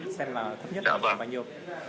xem là thấp nhất là bao nhiêu